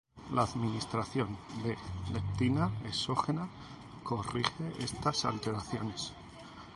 La administración de leptina exógena corrige estas alteraciones.